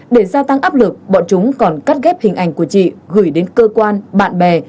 để gia tăng áp lực bọn chúng còn cắt ghép hình ảnh của chị gửi đến cơ quan bạn bè